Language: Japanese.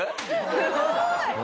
すごい！